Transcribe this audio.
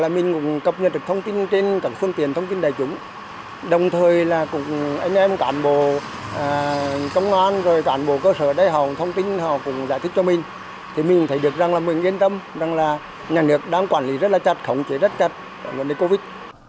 mình thấy được rằng là mình yên tâm rằng là nhà nước đang quản lý rất là chặt khống chế rất chặt vấn đề covid